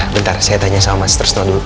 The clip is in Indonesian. bentar saya tanya sama mas terston dulu